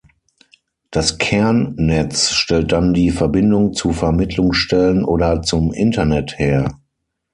Das Kernnetz stellt dann die Verbindung zu Vermittlungsstellen oder zum Internet her.